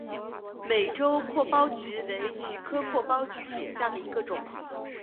美洲阔苞菊为菊科阔苞菊属下的一个种。